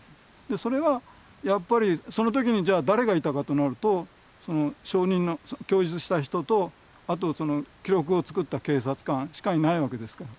それはやっぱりその時にじゃあ誰がいたかとなると証人の供述した人とあとその記録を作った警察官しかいないわけですから。